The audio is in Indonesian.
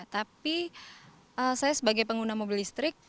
tapi saya sebagai pengguna mobil listrik